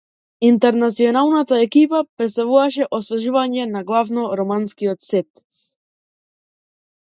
Интернационалната екипа претставуваше освежување на главно романскиот сет.